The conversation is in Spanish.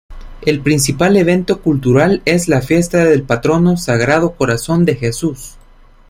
El principal evento cultural es la fiesta del patrono: Sagrado corazón de Jesús.